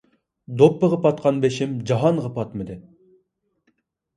دوپپىغا پاتقان بېشىم جاھانغا پاتمىدى.